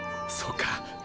そうか。